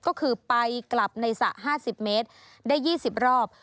ก็คือไปกลับในสระ๕๐เมตรได้๒๐รอบ